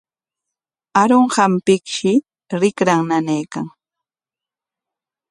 Arunqanpikshi rikran nanaykan.